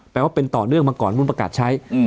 แปลว่าเป็นต่อเนื่องมาก่อนมุ้นประกาศใช้